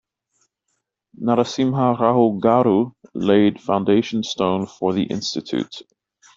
Narasimha Rao garu laid foundation stone for the institute.